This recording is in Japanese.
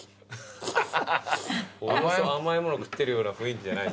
甘いもの食ってるような雰囲気じゃない。